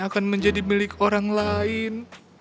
akan menjadi milik orang lain